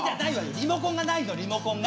リモコンがないのリモコンが！」。